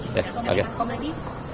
oke sampai jumpa lagi